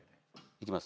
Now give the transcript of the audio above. いきます